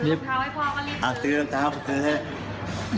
เอาซื้อนะครับซื้อให้